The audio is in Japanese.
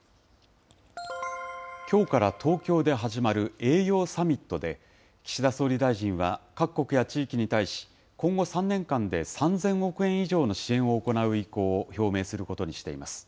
きょうから東京で始まる栄養サミットで、岸田総理大臣は、各国や地域に対し、今後３年間で３０００億円以上の支援を行う意向を表明することにしています。